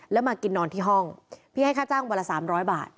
แล้วมากินนอนที่ห้องพี่ให้ค่าจ้างวันละ๓๐๐บาท